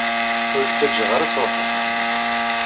Ur k-ttaǧǧaɣ ara ad truḥeḍ.